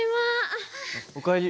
お帰り。